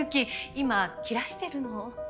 今切らしてるの。